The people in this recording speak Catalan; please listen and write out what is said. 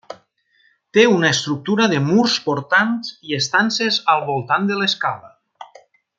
Té una estructura de murs portants i estances al voltant de l'escala.